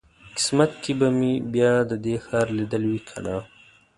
قسمت کې به مې بیا د دې ښار لیدل وي کنه.